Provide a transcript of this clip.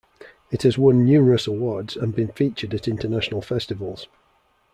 It has won numerous awards and been featured at international festivals.